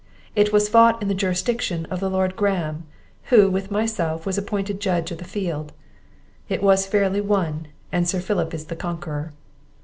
It was fought in the jurisdiction of the Lord Graham, who, with myself, was appointed judge of the field; it was fairly won, and Sir Philip is the conqueror.